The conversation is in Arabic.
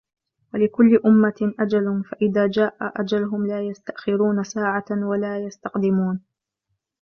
وَلِكُلِّ أُمَّةٍ أَجَلٌ فَإِذَا جَاءَ أَجَلُهُمْ لَا يَسْتَأْخِرُونَ سَاعَةً وَلَا يَسْتَقْدِمُونَ